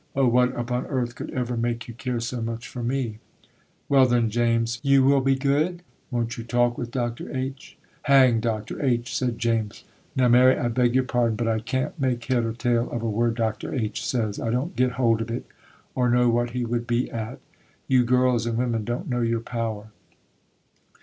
Oh, what upon earth, could ever make you care so much for me?' 'Well, then, James, you will be good? Won't you talk with Dr. H.?' 'Hang Dr. H.!' said James. 'Now Mary, I beg your pardon, but I can't make head or tail of a word Dr. H. says. I don't get hold of it, or know what he would be at. You girls and women don't know your power.